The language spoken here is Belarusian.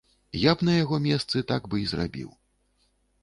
Я б на яго месцы так бы і зрабіў.